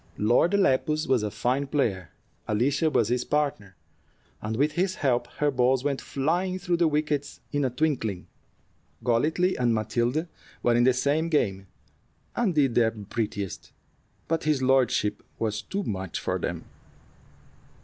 Lord Lepus was a fine player. Alicia was his partner, and with his help her balls went flying through the wickets in a twinkling. Golightly and Matilda were in the same game, and did their prettiest; but his lordship was too much for them.